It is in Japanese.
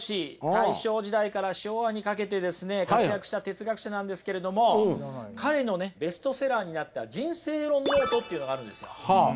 大正時代から昭和にかけてですね活躍した哲学者なんですけれども彼のねベストセラーになった「人生論ノート」っていうのがあるんですよ。